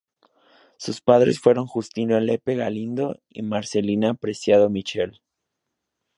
Sus padres fueron Justino Lepe Galindo y Marcelina Preciado Michel.